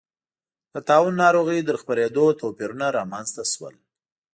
د طاعون ناروغۍ تر خپرېدو توپیرونه راڅرګند شول.